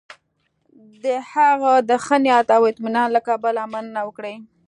د هغه د ښه نیت او اطمینان له کبله مننه وکړي.